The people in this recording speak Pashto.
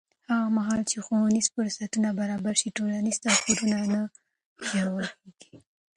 هغه مهال چې ښوونیز فرصتونه برابر شي، ټولنیز توپیر نه ژورېږي.